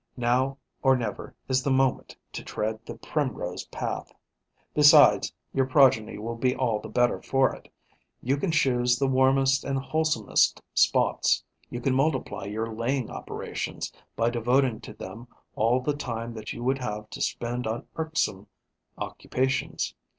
Now or never is the moment to tread the primrose path. Besides, your progeny will be all the better for it. You can choose the warmest and wholesomest spots; you can multiply your laying operations by devoting to them all the time that you would have to spend on irksome occupations.